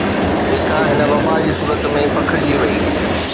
جيڪا هن وبا جي صورت ۾ پکڙجي وئي